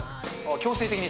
強制的に。